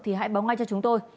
thì hãy báo ngay cho chúng tôi